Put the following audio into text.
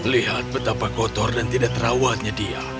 lihat betapa kotor dan tidak terawatnya dia